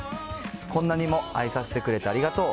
こんなにも愛させてくれてありがとう。